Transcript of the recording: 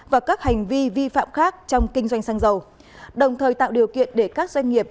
và các hành vi vi phạm khác trong kinh doanh xăng dầu đồng thời tạo điều kiện để các doanh nghiệp